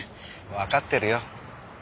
わかってるよ。